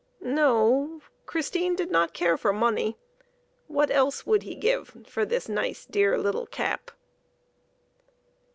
No ; Christine did not care for money. What else would he give for this nice, dear little cap